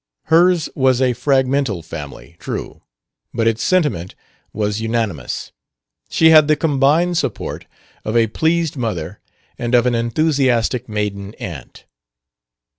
Hers was a fragmental family, true; but its sentiment was unanimous; she had the combined support of a pleased mother and of an enthusiastic maiden aunt.